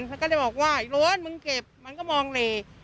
แล้วก็เลยบอกว่าไอ้โร๊ดมึงเก็บมันก็มองเล